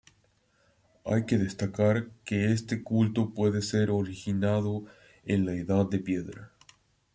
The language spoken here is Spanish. Hay que destacar que este culto puede ser originado en la edad de piedra.